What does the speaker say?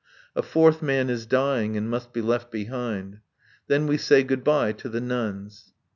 A fourth man is dying and must be left behind. Then we say good bye to the nuns.